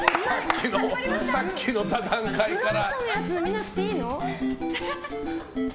さっきの座談会から。